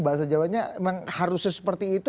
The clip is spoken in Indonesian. bahasa jawanya memang harusnya seperti itu